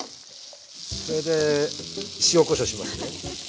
これで塩こしょうしますね。